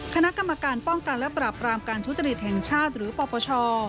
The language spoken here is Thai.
คณะกรรมการป้องกันและปราบรามการทุจริตแห่งชาติหรือปปช